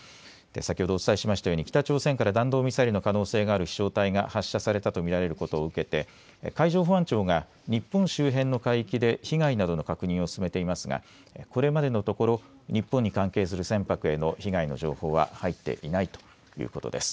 先ほどお伝えしましたように北朝鮮から弾道ミサイルの可能性がある飛しょう体が発射されたと見られることを受けて海上保安庁が日本周辺の海域で被害などの確認を進めていますがこれまでのところ日本に関係する船舶への被害の情報は入っていないということです。